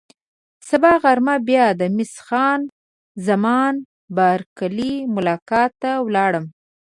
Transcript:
سبا غرمه بیا د مس خان زمان بارکلي ملاقات ته ولاړم.